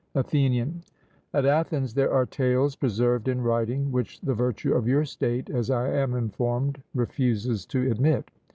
ATHENIAN: At Athens there are tales preserved in writing which the virtue of your state, as I am informed, refuses to admit.